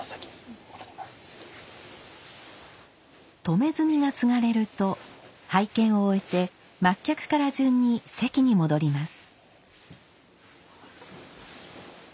止炭がつがれると拝見を終えて末客から順に席に戻ります。